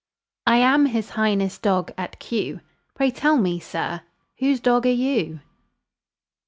I am His Highness' dog at Kew; Pray tell me, sir, whose dog are you?